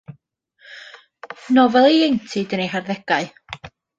Nofel i ieuenctid yn eu harddegau.